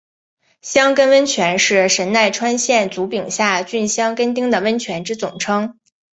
箱根温泉是神奈川县足柄下郡箱根町的温泉之总称。